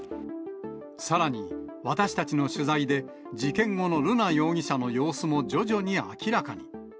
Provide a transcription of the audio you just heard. さらに、私たちの取材で、事件後の瑠奈容疑者の様子も徐々に明らかに。